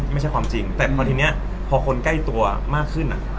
ไม่ใช่ความจริงแต่พอทีนี้พอคนใกล้ตัวมากขึ้น